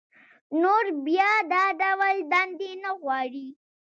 نور بيا دا ډول دندې نه غواړي